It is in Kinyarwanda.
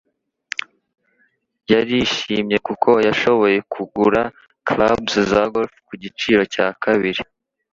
yarishimye kuko yashoboye kugura clubs za golf ku giciro cya kabiri.